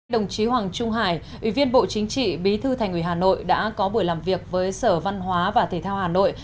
đồng chí hoàng trung hải ủy viên bộ chính trị bí thư thành ủy hà nội đã có buổi làm việc với sở văn hóa và thể thao hà nội